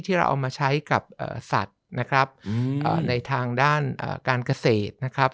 ที่เราเอามาใช้กับสัตว์นะครับในทางด้านการเกษตรนะครับ